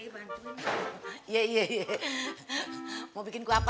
bun gue mau bikin kue bantunya